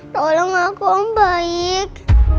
tolong aku om baik